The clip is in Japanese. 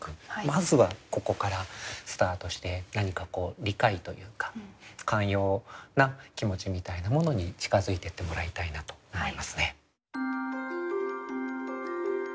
まずはここからスタートして何かこう理解というか寛容な気持ちみたいなものに近づいていってもらいたいなと思いますね。